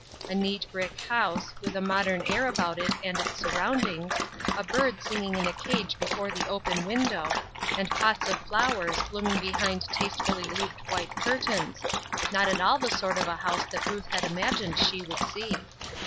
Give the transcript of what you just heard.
A neat brick house, with a modern air about it and its surroundings; a bird singing in a cage before the open window, and pots of flowers blooming behind tastefully looped white curtains; not at all the sort of a house that Ruth had imagined she would see.